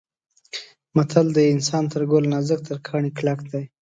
متل دی: انسان تر ګل نازک تر کاڼي کلک دی.